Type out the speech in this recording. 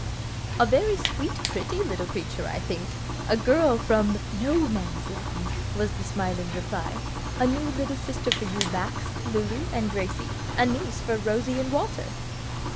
"A very sweet, pretty little creature, I think; a little girl from 'No Man's Land,'" was the smiling reply. "A new little sister for you, Max, Lulu, and Gracie, a niece for Rosie and Walter."